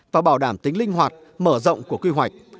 và bảo đảm tính linh hoạt mở rộng của quy hoạch